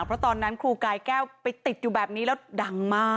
เพราะตอนนั้นครูกายแก้วไปติดอยู่แบบนี้แล้วดังมาก